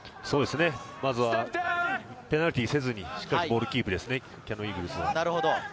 まずはペナルティーをせずに、しっかりボールキープですね、キヤノンイーグルスは。